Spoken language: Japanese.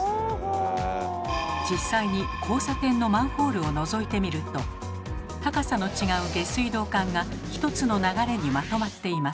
実際に交差点のマンホールをのぞいてみると高さの違う下水道管が１つの流れにまとまっています。